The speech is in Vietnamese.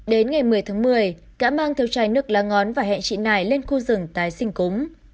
đến ngày một mươi tháng một mươi cả mang theo chai nước lá ngón và hẹn chị này lên khu rừng tái sinh cúng